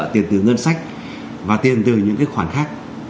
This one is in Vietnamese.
tiền từ ngân sách và tiền từ những cái khoản khác